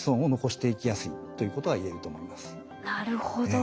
なるほど。